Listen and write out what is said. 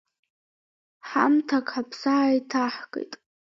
Ҳамҭак ҳаԥсы ааиҭаҳкит.